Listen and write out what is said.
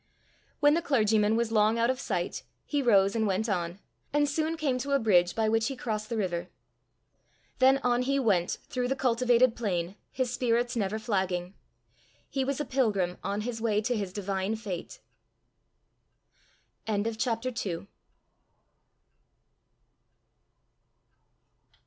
When the clergyman was long out of sight, he rose and went on, and soon came to a bridge by which he crossed the river. Then on he went through the cultivated plain, his spirits never flagging. He was a pilgrim on his way to his divine fate! CHAPTER III.